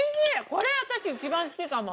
これ私一番好きかも。